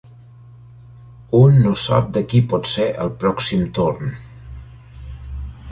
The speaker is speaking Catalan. Un no sap de qui pot ser el pròxim torn.